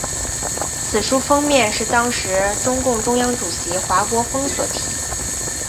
此书封面是当时中共中央主席华国锋所题。